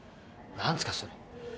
何すかそれ。